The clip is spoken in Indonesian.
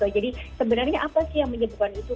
jadi sebenarnya apa sih yang menyebabkan itu